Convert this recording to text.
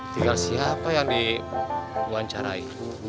tinggal siapa yang diwawancarai